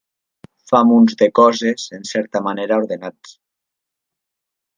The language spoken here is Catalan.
Fa munts de coses en certa manera ordenats.